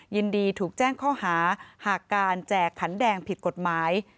ยินดีถูกแจ้งข้อหาหากการแจกขันแดงผิดกฎหมาย